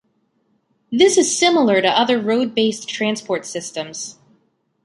This is similar to other road-based transport systems.